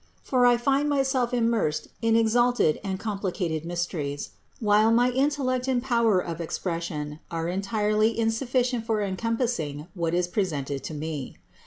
For I find myself immersed in exalted and com plicated mysteries, while my intellect and my power of expression are entirely insufficient for encompassing what is presented to me.